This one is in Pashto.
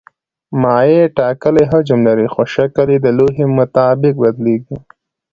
مایع ټاکلی حجم لري خو شکل یې د لوښي مطابق بدلېږي.